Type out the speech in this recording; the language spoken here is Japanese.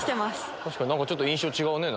確かになんかちょっと印象違